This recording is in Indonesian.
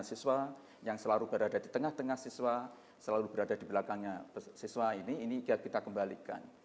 siswa yang selalu berada di tengah tengah siswa selalu berada di belakangnya siswa ini ini kita kembalikan